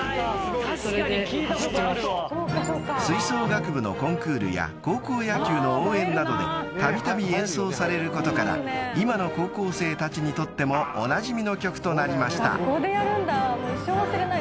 ［吹奏楽部のコンクールや高校野球の応援などでたびたび演奏されることから今の高校生たちにとってもおなじみの曲となりました］